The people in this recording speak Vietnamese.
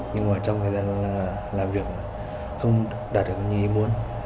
nhưng mà trong thời gian làm việc không đạt được như ý muốn